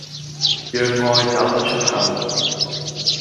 讓愛找到出口